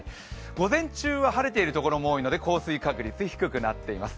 午前中は晴れているところも多いので降水確率低くなっています。